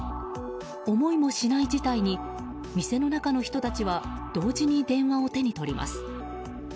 思いもしない事態に店の中の人たちは同時に電話を手に取ります。